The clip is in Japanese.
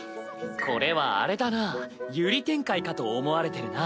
これはあれだな百合展開かと思われてるな。